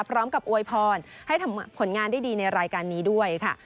อวยพรให้ทำผลงานได้ดีในรายการนี้ด้วยค่ะ